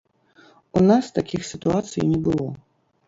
У нас такіх сітуацый не было.